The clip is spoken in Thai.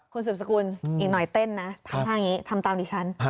คุณสุบสกุลอีกหน่อยเต้นนะทางนี้ทำตามดิฉัน